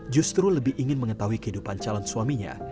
justru lebih ingin mengetahui kehidupan calon suaminya